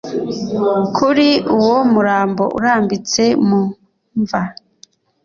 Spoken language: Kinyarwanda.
Kuri uwo murambo urambitse mu mva